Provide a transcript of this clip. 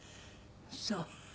そう。